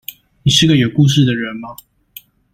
你是個有故事的人嗎